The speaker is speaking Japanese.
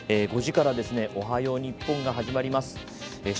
５時から「おはよう日本」が始まります。